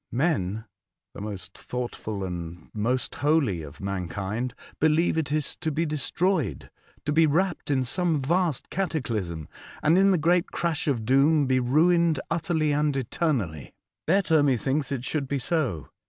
Men, the most thoughtful and most holy of mankind, believe it is to be de stroyed, to be wrapped in some vast cataclysm, and in the great crash of doom be ruined utterly and eternally. Better, methinks, it should be so.